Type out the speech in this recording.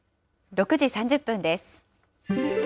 ６時３０分です。